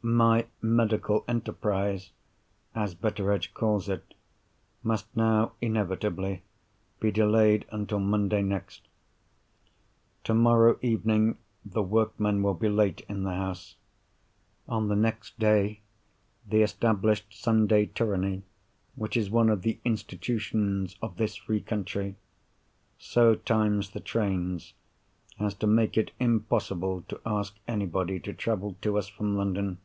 My medical enterprise (as Betteredge calls it) must now, inevitably, be delayed until Monday next. Tomorrow evening the workmen will be late in the house. On the next day, the established Sunday tyranny which is one of the institutions of this free country, so times the trains as to make it impossible to ask anybody to travel to us from London.